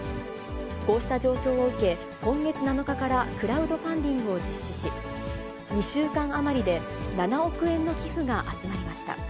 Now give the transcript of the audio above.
こうした状況を受け、今月７日からクラウドファンディングを実施し、２週間余りで７億円の寄付が集まりました。